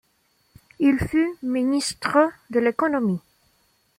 Il fut ministre de l'économie.